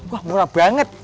wah murah banget